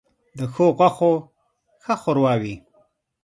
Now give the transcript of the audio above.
ـ د ښو غوښو ښه ښوروا وي.